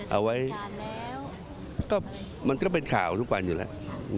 เอาไว้ก็มันก็เป็นข่าวทุกวันอยู่แล้ว